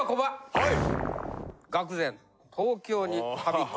はい。